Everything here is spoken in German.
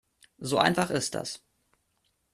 So einfach ist das.